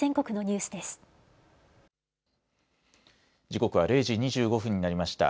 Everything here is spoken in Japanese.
時刻は０時２５分になりました。